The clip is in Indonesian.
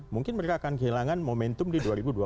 mungkin mereka akan kehilangan momentum di dua ribu dua puluh